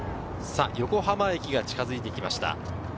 横浜駅が近づいてきました。